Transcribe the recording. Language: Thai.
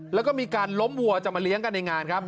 แล้วก็มีการล้มวัวจะมาเลี้ยงกันในงานครับ